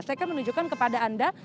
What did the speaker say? saya akan menunjukkan kepada anda